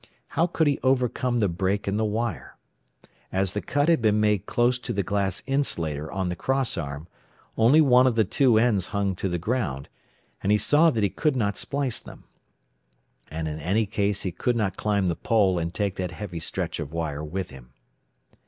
How could he overcome the break in the wire? As the cut had been made close to the glass insulator on the cross arm, only one of the two ends hung to the ground, and he saw that he could not splice them. And in any case he could not climb the pole and take that heavy stretch of wire with him.